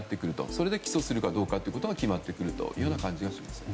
それで起訴するかどうかということが決まってくるような感じがします。